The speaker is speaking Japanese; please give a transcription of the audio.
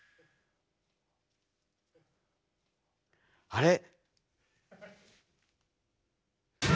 あれ？